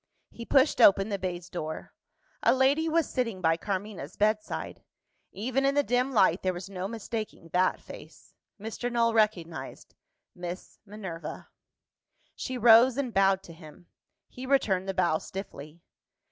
He pushed open the baize door. A lady was sitting by Carmina's bedside. Even in the dim light, there was no mistaking that face. Mr. Null recognised Miss Minerva. She rose, and bowed to him. He returned the bow stiffly.